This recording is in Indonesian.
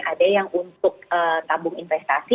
ada yang untuk tabung investasi